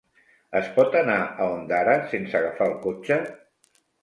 Es pot anar a Ondara sense agafar el cotxe?